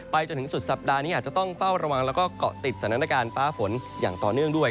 จนถึงสุดสัปดาห์นี้อาจจะต้องเฝ้าระวังแล้วก็เกาะติดสถานการณ์ฟ้าฝนอย่างต่อเนื่องด้วย